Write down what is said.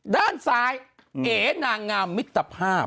ด้านซ้ายเอ๋นางงามมิตรภาพ